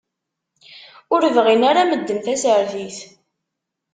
Ur bɣin ara medden tasertit.